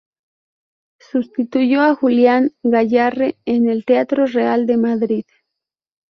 Sustituyó a Julián Gayarre en el Teatro Real de Madrid.